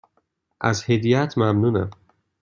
از هدیهات ممنونم.